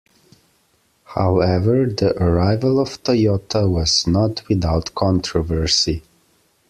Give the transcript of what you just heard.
However, the arrival of Toyota was not without controversy.